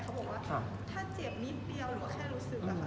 เขาบอกว่าถ้าเจ็บนิดเดียวหรือว่าแค่รู้สึกอะค่ะ